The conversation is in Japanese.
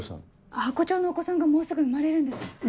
ハコ長のお子さんがもうすぐ生まれるんです。